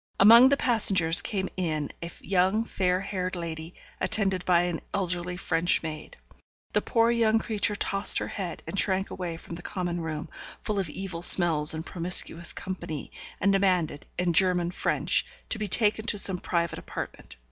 Among the passengers came in a young, fair haired lady, attended by an elderly French maid. The poor young creature tossed her head, and shrank away from the common room, full of evil smells and promiscuous company, and demanded, in German French, to be taken to some private apartment.